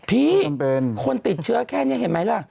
พี่คนติดเชื้อแค่นี้เห็นไหมล่ะ